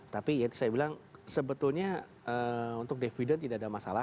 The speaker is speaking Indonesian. tapi ya itu saya bilang sebetulnya untuk dividend tidak ada masalah